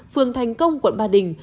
phường thành công quận ba đình